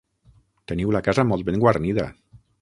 Teniu la casa molt ben guarnida!